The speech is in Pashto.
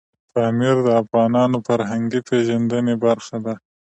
پامیر د افغانانو د فرهنګي پیژندنې برخه ده.